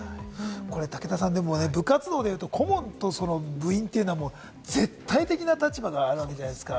武田さん、部活動でいうと顧問と部員というのは絶対的な立場があるわけじゃないですか。